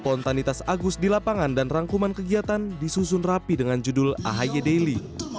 spontanitas agus di lapangan dan rangkuman kegiatan disusun rapi dengan judul ahi daily